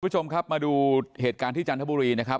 คุณผู้ชมครับมาดูเหตุการณ์ที่จันทบุรีนะครับ